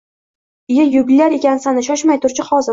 Iya, yubilyar ekansan-da, shoshmay tur-chi, hozir...